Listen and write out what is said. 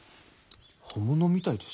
本物みたいです。